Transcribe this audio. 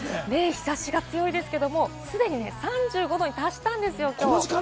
日差しが強いんですけれども、すでに３５度に達したんですよ、きょう。